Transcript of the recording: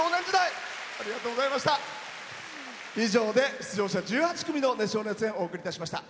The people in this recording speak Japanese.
以上で出場者１８組の熱唱・熱演お送りいたしました。